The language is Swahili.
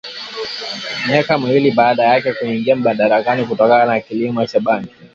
miaka miwili baada yake kuingia madarakani kutokana na kilimo cha bangi